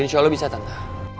insya allah bisa tante